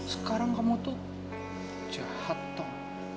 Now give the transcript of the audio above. sekarang kamu tuh jahat dong